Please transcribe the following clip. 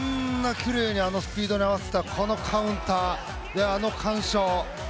きれいにあのスピードに合わせたカウンターで、あの完勝。